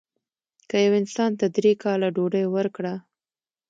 که یو انسان ته درې کاله ډوډۍ ورکړه.